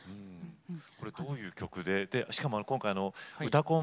これはどういう曲でしかも今回「うたコン」